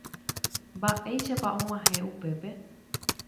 Mba'éichapa og̃uahẽ upépe.